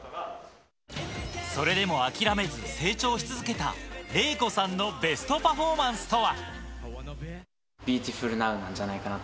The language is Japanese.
それでも諦めず成長し続けたレイコさんのベストパフォーマンスとは。